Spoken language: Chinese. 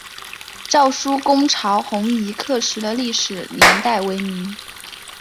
赵纾攻剿红夷刻石的历史年代为明。